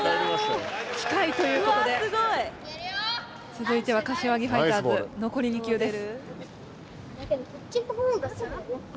つづいては柏木ファイターズのこり２球です。